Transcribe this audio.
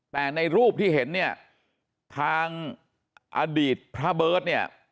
แต่ในรูปที่เห็นทางอดีตพระเบิร์ต